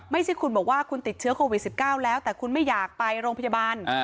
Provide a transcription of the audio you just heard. ไม่ใช่คุณบอกว่าคุณติดเชื้อโควิด๑๙แล้วแต่คุณไม่อยากไปโรงพยาบาล